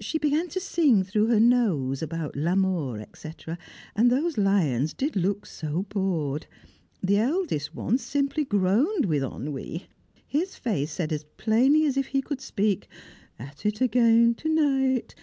She began to sing through her nose about "l'amour," &c., and those lions did look so bored; the eldest one simply groaned with ennui. His face said as plainly as if he could speak, "At it again to night!"